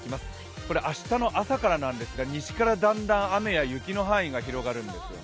これ明日の朝からなんですが、西からだんだん雨や雪の範囲が広がるんですよね。